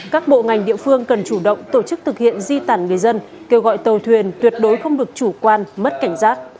các bộ ngành địa phương cần chủ động tổ chức thực hiện di tản người dân kêu gọi tàu thuyền tuyệt đối không được chủ quan mất cảnh giác